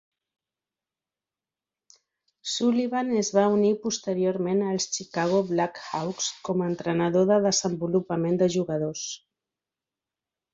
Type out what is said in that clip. Sullivan es va unir posteriorment als Chicago Blackhawks com a entrenador de desenvolupament de jugadors.